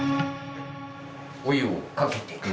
お湯をかけて。